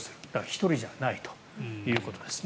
１人じゃないということです。